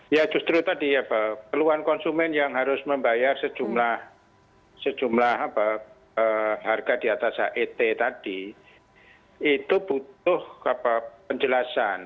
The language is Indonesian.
ya justru tadi ya pak keluhan konsumen yang harus membayar sejumlah harga di atas het tadi itu butuh penjelasan